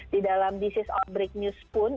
di dalam bisnis outbreak news pun